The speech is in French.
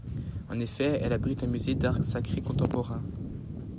En effet, elle abrite un musée d'art sacré contemporain.